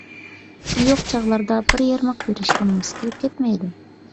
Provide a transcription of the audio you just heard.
پۇلى يوق چاغلاردا بىر يارماق بېرىشكە نومۇس قىلىپ كەتمەيدۇ.